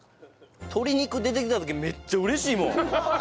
鶏肉出てきた時めっちゃ嬉しいもん。